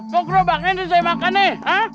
kok grobaknya ini saya makan nih